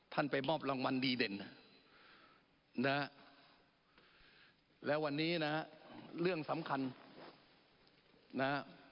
ท่านไปมอบรางมันดีเด่นน่ะแล้ววันนี้น่ะเรื่องสำคัญน่ะ